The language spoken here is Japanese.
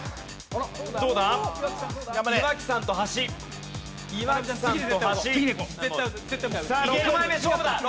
どうだ？